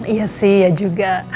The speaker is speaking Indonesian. iya sih ya juga